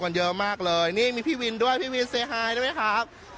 มึงจะเลือกมีรูปนะครับ